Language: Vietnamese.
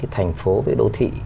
thành phố với đô thị